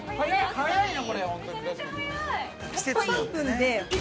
◆速いな。